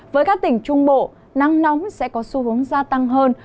với các tỉnh trung bộ nắng nóng sẽ có xu hướng gia tăng hơn